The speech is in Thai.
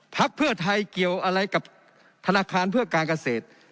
พักเพื่อไทยเกี่ยวอะไรกับธนาคารเพื่อการเกษตร